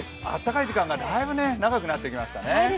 暖かい時間がだいぶ長くなってきましたね。